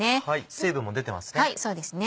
水分も出てますね。